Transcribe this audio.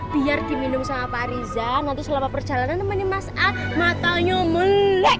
biar diminum sama pak rija nanti selama perjalanan nemenin mas a matanya melek